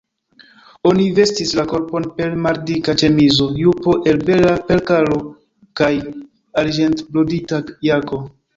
Oni vestis la korpon per maldika ĉemizo, jupo el bela perkalo kaj arĝentbrodita jako.